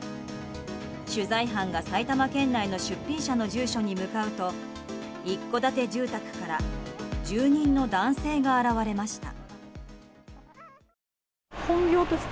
取材班が埼玉県内の出品者の住所に向かうと一戸建て住宅から住人の男性が現れました。